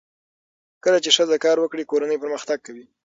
کله چې ښځه کار وکړي، کورنۍ پرمختګ کوي.